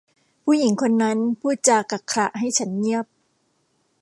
ผู้หญิงคนนั้นพูดจากักขฬะให้ฉันเงียบ